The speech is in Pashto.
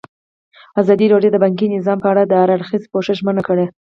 ازادي راډیو د بانکي نظام په اړه د هر اړخیز پوښښ ژمنه کړې.